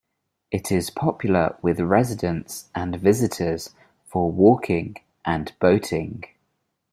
It is popular with residents and visitors for walking and boating.